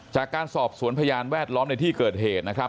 จากการสอบสวนพยานแวดล้อมในที่เกิดเหตุนะครับ